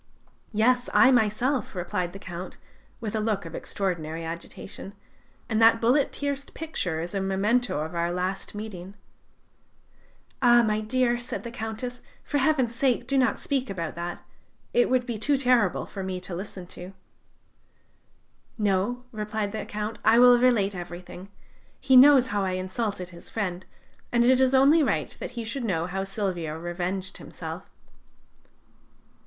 "Yes, I myself," replied the Count, with a look of extraordinary agitation; "and that bullet pierced picture is a memento of our last meeting." "Ah, my dear," said the Countess, "for Heaven's sake, do not speak about that; it would be too terrible for me to listen to." "No," replied the Count: "I will relate everything. He knows how I insulted his friend, and it is only right that he should know how Silvio revenged himself."